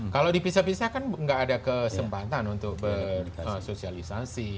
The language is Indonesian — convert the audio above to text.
kalau dipisah pisah kan nggak ada kesempatan untuk bersosialisasi